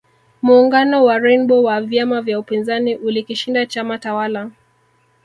Muungano wa Rainbow wa vyama vya upinzani ulikishinda chama tawala